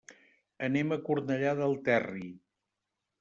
Anem a Cornellà del Terri.